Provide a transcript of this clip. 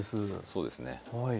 そうですね。